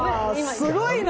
すごいな。